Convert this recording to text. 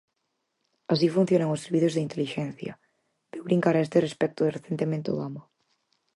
Así funcionan os servizos de intelixencia, veu brincar a este respecto recentemente Obama.